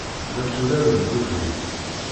La tturaren ddukkli.